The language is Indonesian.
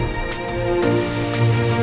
kamu harus atuh